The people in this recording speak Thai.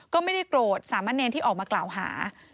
ก็ไม่ได้โกรธสามะเนรที่ออกมากล่าวหา